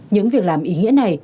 những việc làm ý nghĩa này